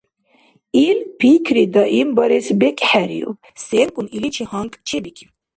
Ил пикри даимбарес бекӀхӀериуб, сенкӀун иличи гьанкӀ чебикиб.